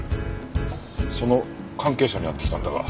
その関係者に会ってきたんだが。